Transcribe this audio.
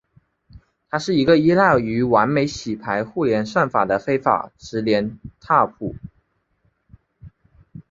它是一个依赖于完美洗牌互联算法的非直连拓扑。